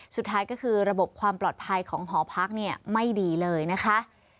สุดท้ายก็คือระบบความปลอดภัยของหอพักเนี่ยไม่ดีเลยนะคะ